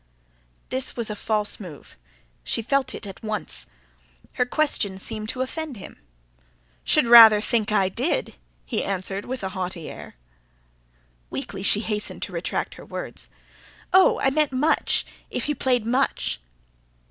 This was a false move, she felt it at once. Her question seemed to offend him. "Should rather think I did!" he answered with a haughty air. Weakly she hastened to retract her words. "Oh, I meant much if you played much?"